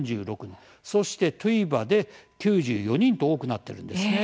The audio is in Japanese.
そして、トゥヴァで９４人と多くなっているんですね。